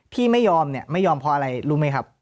พี่ไม่ยอมเนี่ยไม่ยอมเพราะอะไรรู้ไหมครับ